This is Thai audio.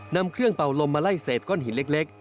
นำเครื่องเป่าลมมาไล่เศษก้อนหินเล็ก